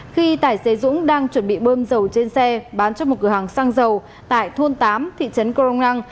khi tài xế dũng đang chuẩn bị bơm dầu trên xe bán trong một cửa hàng xăng dầu tại thôn tám thị trấn cô rông năng